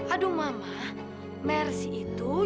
aduh mama mercy itu